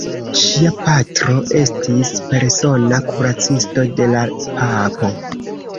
Ŝia patro estis persona kuracisto de la papo.